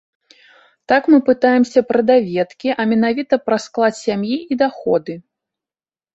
Так мы пытаемся пра даведкі, а менавіта пра склад сям'і і даходы.